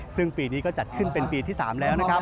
ซึ่งปีนี้ก็จัดขึ้นเป็นปีที่๓แล้วนะครับ